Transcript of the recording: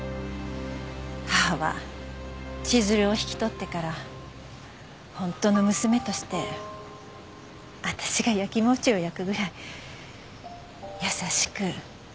母は千鶴を引き取ってからホントの娘として私が焼きもちを焼くぐらい優しく厳しく育ててきた。